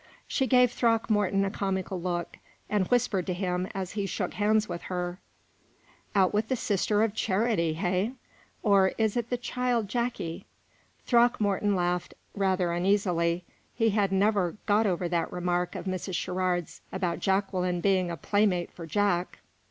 She gave Throckmorton a comical look, and whispered to him as he shook hands with her: "Out with the Sister of Charity, hey? Or is it the child Jacky?" Throckmorton laughed rather uneasily. He had never got over that remark of Mrs. Sherrard's about Jacqueline being a playmate for Jack.